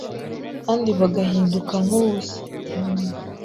kandi bagahinduka nk’ubusa